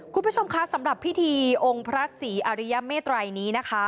คุณผู้ชมคะสำหรับพิธีองค์พระศรีอริยเมตรัยนี้นะคะ